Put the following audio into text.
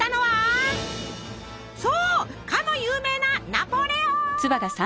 そうかの有名なナポレオン！